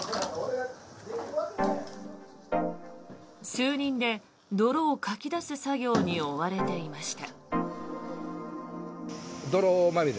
数人で泥をかき出す作業に追われていました。